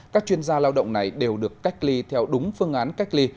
các chuyên gia lao động này đều được cách ly theo đúng phương án cách ly